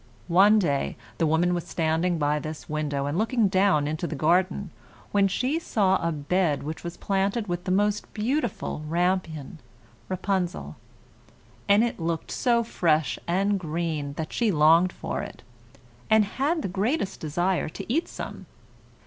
One day the woman was standing by this window and looking down into the garden, when she saw a bed which was planted with the most beautiful rampion (rapunzel), and it looked so fresh and green that she longed for it, and had the greatest desire to eat some.